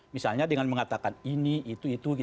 misalnya dengan mengatakan ini itu itu